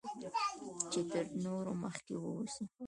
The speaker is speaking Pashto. چې تر نورو مخکې واوسی